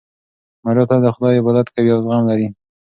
ماریا تل د خدای عبادت کوي او زغم لري.